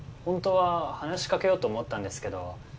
ホントは話しかけようと思ったんですけど。